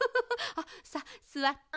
あさあすわって。